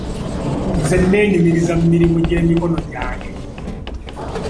Nze neenyumiriza mu mirimu gy'emikono gyange.